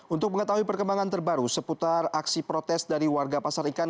untuk mengetahui perkembangan terbaru seputar aksi protes dari warga pasar ikan